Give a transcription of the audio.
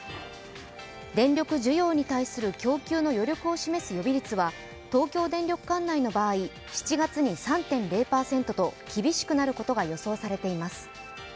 電力需要に対する供給の余力を示す予備率は東京電力管内の場合７月に３．０％と厳しくなることが予想されています。